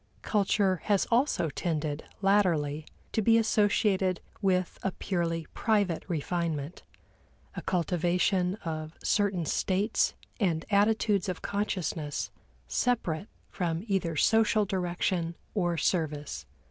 Culture has also tended, latterly, to be associated with a purely private refinement, a cultivation of certain states and attitudes of consciousness, separate from either social direction or service.